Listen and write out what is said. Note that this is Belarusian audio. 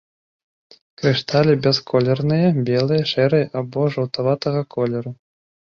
Крышталі бясколерныя, белыя, шэрыя або жаўтаватага колеру.